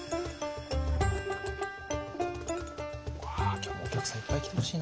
今日もお客さんいっぱい来てほしいな。